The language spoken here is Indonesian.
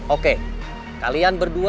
oke kalian berdua